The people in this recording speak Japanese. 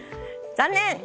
残念！